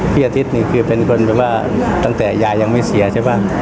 พี่อาทิตย์นี่คือเป็นคนแบบว่าตั้งแต่ยายังไม่เสียใช่ป่ะ